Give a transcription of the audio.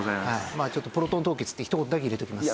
まあちょっとプロトン凍結ってひと言だけ入れときます。